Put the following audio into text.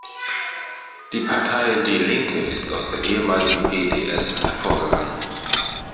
Die Partei die Linke ist aus der ehemaligen P-D-S hervorgegangen.